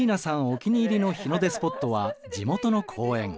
お気に入りの日の出スポットは地元の公園。